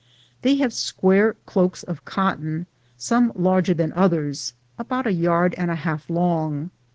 They have> square cloaks of cotton, some larger than others, about a yard and a half long.